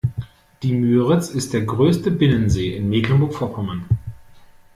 Die Müritz ist der größte Binnensee in Mecklenburg-Vorpommern.